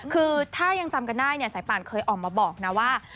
คือถ้ายังจำกันได้เนี่ยสายป่านเคยออกมาบอกนะว่า